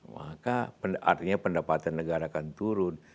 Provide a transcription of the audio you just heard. maka artinya pendapatan negara akan turun